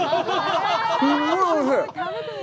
すごいおいしい。